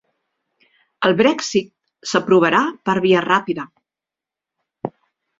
El Brexit s'aprovarà per via ràpida